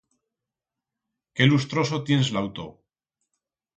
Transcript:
Qué lustroso tiens l'auto!